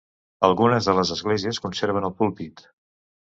Algunes de les esglésies conserven el púlpit.